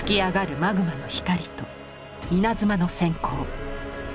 マグマの光と稲妻のせん光。